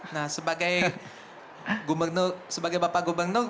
nah sebagai bapak gubernur